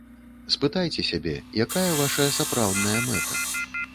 Спытайце сябе, якая вашая сапраўдная мэта.